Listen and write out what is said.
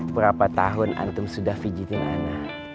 berapa tahun antum sudah menjijit anak